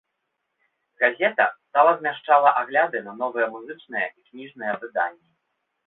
Газета стала змяшчала агляды на новыя музычныя і кніжныя выданні.